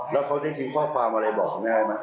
แล้วเขาจะทิ้งข้อความอะไรบอกแม่ได้ไหม